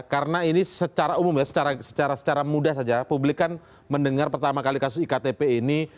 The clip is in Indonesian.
karena ini secara umum ya secara mudah saja publik kan mendengar pertama kali kasus iktp ini